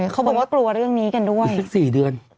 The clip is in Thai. เขาบอกว่ากลัวเรื่องนี้กันด้วย